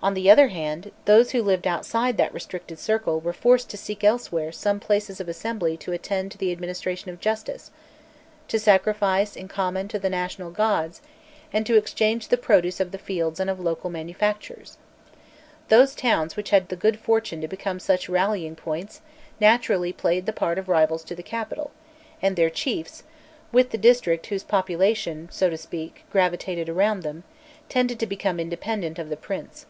On the other hand, those who lived outside that restricted circle were forced to seek elsewhere some places of assembly to attend the administration of justice, to sacrifice in common to the national gods, and to exchange the produce of the fields and of local manufactures. Those towns which had the good fortune to become such rallying points naturally played the part of rivals to the capital, and their chiefs, with the district whose population, so to speak, gravitated around them, tended to become independent of the prince.